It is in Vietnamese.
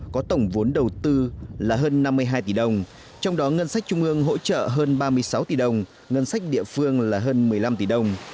có tổng vốn đầu tư là hơn năm mươi hai tỷ đồng trong đó ngân sách trung ương hỗ trợ hơn ba mươi sáu tỷ đồng ngân sách địa phương là hơn một mươi năm tỷ đồng